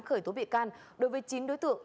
khởi tố bị can đối với chín đối tượng